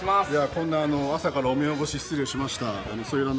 こんな朝からお目汚し失礼しました。